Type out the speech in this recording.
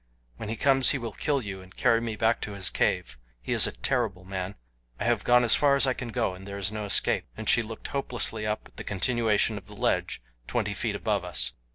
When he comes he will kill you and carry me back to his cave. He is a terrible man. I have gone as far as I can go, and there is no escape," and she looked hopelessly up at the continuation of the ledge twenty feet above us.